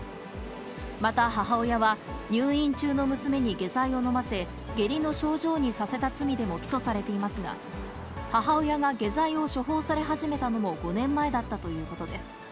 また、母親は、入院中の娘に下剤を飲ませ、下痢の症状にさせた罪でも起訴されていますが、母親が下剤を処方され始めたのも５年前だったということです。